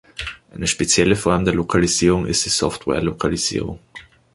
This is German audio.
Eine spezielle Form der Lokalisierung ist die Software-Lokalisierung.